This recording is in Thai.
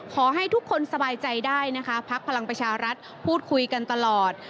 ขอให้ทุกคนสบายใจได้นะคะพักพลังประชารัฐพูดคุยกันตลอด